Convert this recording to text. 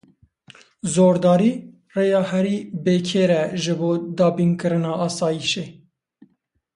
Zordarî, rêya herî bêkêr e ji bo dabînkirina asayîşê.